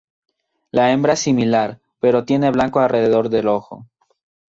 La hembra es similar, pero tiene blanco alrededor del ojo.